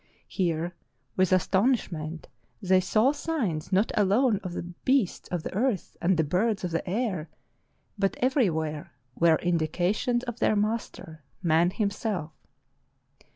Here with astonishment they saw signs not alone of the beasts of the earth and the birds of the air, but everywhere were indications of their master — man himself.